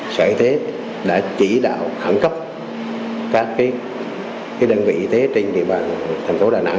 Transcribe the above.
sở y tế đã chỉ đạo khẳng cấp các đơn vị y tế trên địa bàn thành phố đà nẵng